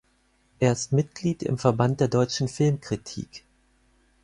Er ist Mitglied im Verband der deutschen Filmkritik.